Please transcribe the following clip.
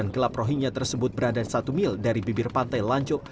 dan kelab rohingya tersebut berada di satu mil dari bibir pantai lanchuk